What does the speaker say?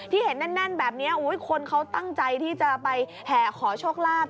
เห็นแน่นแบบนี้คนเขาตั้งใจที่จะไปแห่ขอโชคลาภ